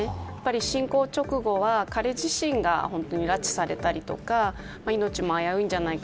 侵攻直後は、彼自身が拉致されたりとか命も危ういんじゃないか。